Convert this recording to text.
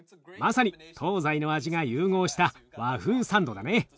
まさに東西の味が融合した和風サンドだね。